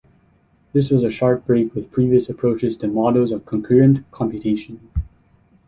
This was a sharp break with previous approaches to models of concurrent computation.